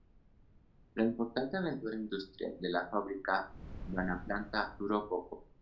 La importante aventura industrial de la Fábrica Bonaplata duró poco.